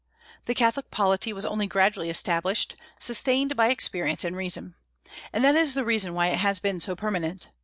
The Catholic polity was only gradually established, sustained by experience and reason. And that is the reason why it has been so permanent.